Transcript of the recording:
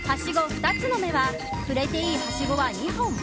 ２つの目は触れていいはしごは２本。